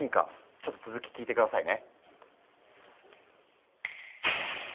ちょっと続き聞いて下さいね。